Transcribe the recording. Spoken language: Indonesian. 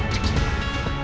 kita harus berhenti